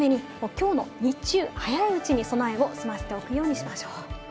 きょうの日中、早いうちに備えを済ませておくようにしましょう。